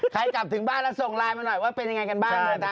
กลับถึงบ้านแล้วส่งไลน์มาหน่อยว่าเป็นยังไงกันบ้าง